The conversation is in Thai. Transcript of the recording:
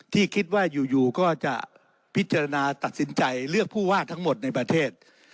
ที่คิดว่าอยู่ก็จะพิจารณาตัดสินใจเลือกผู้ว่าทั้งหมดในประเทศ